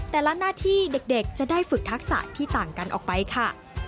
แต่ละหน้าที่เด็กจะได้ฝึกทักษะที่ต่างกันออกไปค่ะ